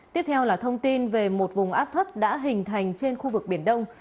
tiếp theo là thông tin về một vùng áp thấp đã hình thành trên khu vực biển đông